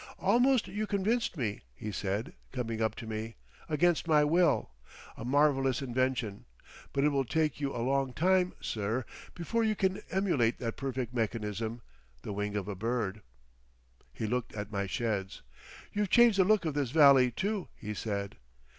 "Almost you convince me," he said, coming up to me, "against my will.... A marvellous invention! But it will take you a long time, sir, before you can emulate that perfect mechanism—the wing of a bird." He looked at my sheds. "You've changed the look of this valley, too," he said.